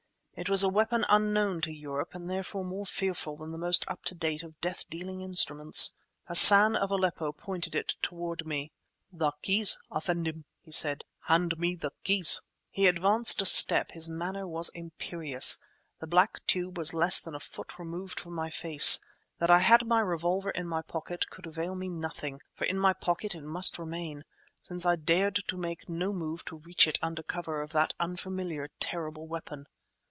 It was a weapon unknown to Europe and therefore more fearful than the most up to date of death dealing instruments. Hassan of Aleppo pointed it toward me. "The keys, effendim," he said; "hand me the keys!" He advanced a step; his manner was imperious. The black tube was less than a foot removed from my face. That I had my revolver in my pocket could avail me nothing, for in my pocket it must remain, since I dared to make no move to reach it under cover of that unfamiliar, terrible weapon.